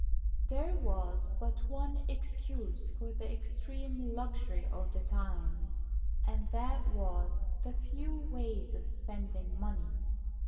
There was but one excuse for the extreme luxury of the times, and that was the few ways of spending money.